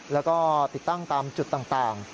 แล้วก็ติดตั้งตามจุดต่าง